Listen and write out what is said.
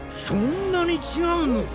そんなに違うの？